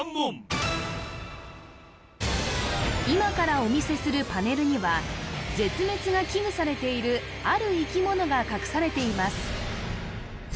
今からお見せするパネルには絶滅が危惧されているある生き物が隠されています